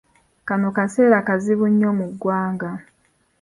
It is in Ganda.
Kano kaseera kazibu nnyo mu ggwanga.